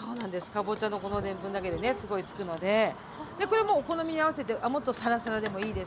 かぼちゃのこのでんぷんだけでねすごいつくのででこれはもうお好みに合わせてもっとサラサラでもいいですしうん。